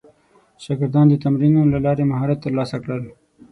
شاګردان د تمرینونو له لارې مهارت ترلاسه کړل.